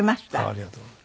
ありがとうございます。